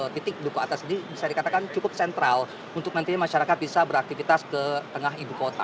titik duku atas ini bisa dikatakan cukup sentral untuk nantinya masyarakat bisa beraktivitas ke tengah ibu kota